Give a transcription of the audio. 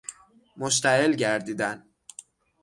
مشتعل گردیدن